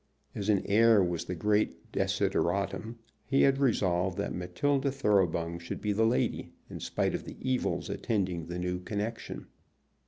As an heir was the great desideratum, he had resolved that Matilda Thoroughbung should be the lady, in spite of the evils attending the new connection.